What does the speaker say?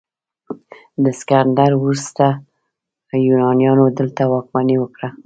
د اسکندر وروسته یونانیانو دلته واکمني وکړه